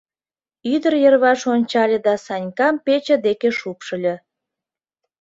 Ӱдыр йырваш ончале да Санькам пече деке шупшыльо.